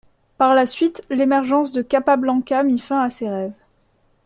Par la suite, l'émergence de Capablanca mit fin à ses rêves.